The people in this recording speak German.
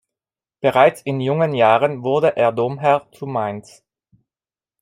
Bereits in jungen Jahren wurde er Domherr zu Mainz.